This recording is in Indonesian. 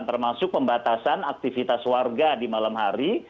termasuk pembatasan aktivitas warga di malam hari